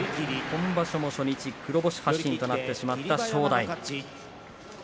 今場所も初日黒星発進となってしまった正代。